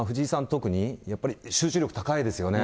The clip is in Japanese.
特に、やっぱり集中力高いですよね。